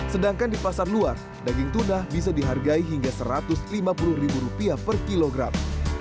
sedangkan di pasar luar daging tuna bisa dihargai hingga rp satu ratus lima puluh per kilogram